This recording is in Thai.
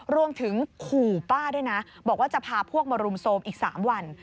รวมถึงขู่ป้าด้วยนะบอกว่าจะพาพวกมารุมโทรมอีก๓วัน